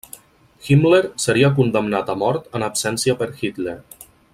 Himmler seria condemnat a mort en absència per Hitler.